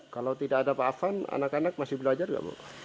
kalau tidak ada pak afan anak anak masih belajar nggak bu